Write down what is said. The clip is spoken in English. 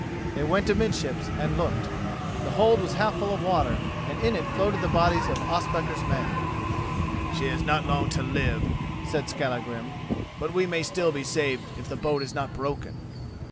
They went amidships and looked. The hold was half full of water, and in it floated the bodies of Ospakar's men. "She has not long to live," said Skallagrim, "but we may still be saved if the boat is not broken."